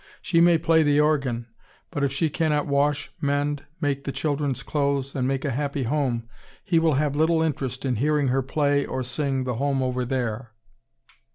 She may play the organ, but, if she cannot wash, mend, make the children's clothes, and make a happy home, he will have little interest in hearing her play or sing 'The Home over there.